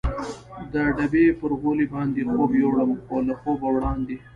د ډبې پر غولي باندې خوب یووړم، خو له خوبه وړاندې.